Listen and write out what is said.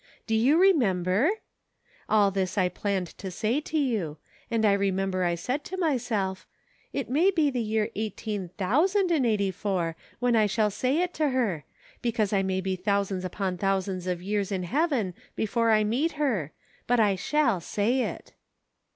Do you re member ?" All this I planned to say to you; and I remember I said to myself :' It may be the year eighteen thousand dixid eighty four when I shall say it to her ; because I may be thousands upon thou sands of years in heaven before I meet her ; but I shall say it.'